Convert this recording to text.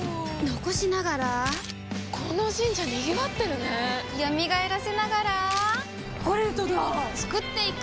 残しながらこの神社賑わってるね蘇らせながらコレドだ創っていく！